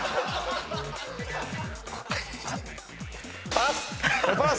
・パス。